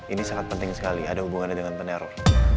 ini sangat penting sekali ada hubungannya dengan peneror